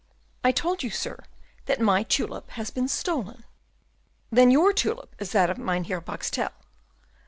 "I told you, sir, that my tulip has been stolen." "Then your tulip is that of Mynheer Boxtel.